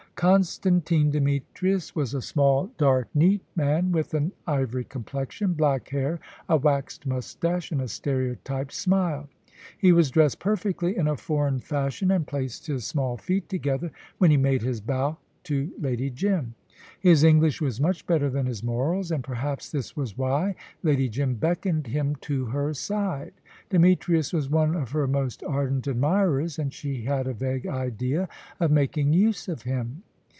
Constantine Demetrius was a small, dark, neat man with an ivory complexion, black hair, a waxed moustache, and a stereotyped smile. He was dressed perfectly in a foreign fashion, and placed his small feet together when he made his bow to Lady Jim. His English was much better than his morals, and perhaps this was why Lady Jim beckoned him to her side. Demetrius was one of her most ardent admirers, and she had a vague idea of making use of him.